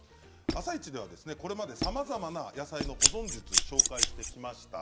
「あさイチ」ではこれまでさまざまな野菜の保存術紹介してきました。